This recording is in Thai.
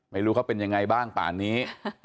ไม่รู้เขาเป็นยังไงบ้างป่านนี้